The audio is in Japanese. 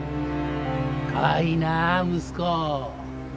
かわいいな息子。